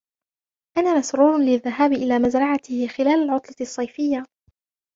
انا مسرور للذهاب الى مزرعته خلال العطلة الصيفية.